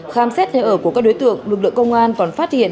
khám xét nơi ở của các đối tượng lực lượng công an còn phát hiện